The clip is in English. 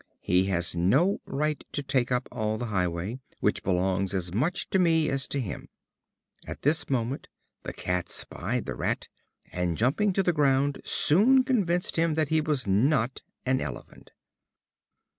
He has no right to take up all the highway, which belongs as much to me as to him." At this moment, the cat spied the rat, and, jumping to the ground, soon convinced him that he was not an elephant.